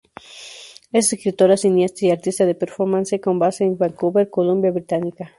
Es escritora, cineasta y artista de performance con base en Vancouver, Columbia Británica.